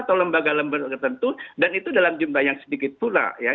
atau lembaga lembaga tertentu dan itu dalam jumlah yang sedikit pula ya